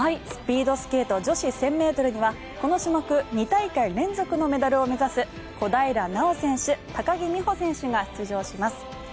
スピードスケート女子１０００ｍにはこの種目２大会連続のメダルを目指す小平奈緒選手、高木美帆選手が出場します。